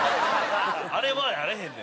「あれは」やあらへんで。